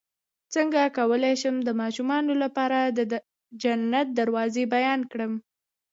څنګه کولی شم د ماشومانو لپاره د جنت دروازې بیان کړم